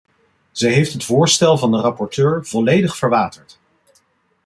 Zij heeft het voorstel van de rapporteur volledig verwaterd.